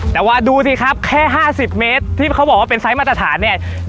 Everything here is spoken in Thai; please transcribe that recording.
แต่ว่าดูสิครับแค่๕๐เมตรที่เขาบอกว่าเป็นไซส์มาตรฐานเนี่ย